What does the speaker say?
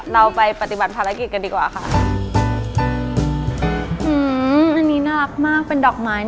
เราไปปฏิบัติภารกิจกันดีกว่าค่ะ